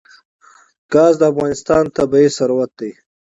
ګاز د افغانستان طبعي ثروت دی.